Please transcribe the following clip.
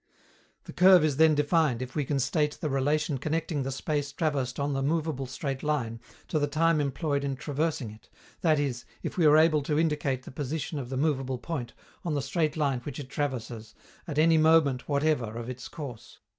The curve is then defined if we can state the relation connecting the space traversed on the movable straight line to the time employed in traversing it, that is, if we are able to indicate the position of the movable point, on the straight line which it traverses, at any moment whatever of its course.